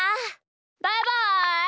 バイバイ！